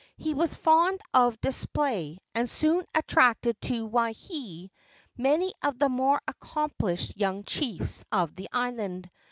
He was fond of display, and soon attracted to Waihee many of the more accomplished young chiefs of the island.